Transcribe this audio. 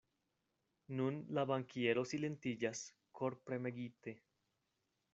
Nun la bankiero silentiĝas, korpremegite.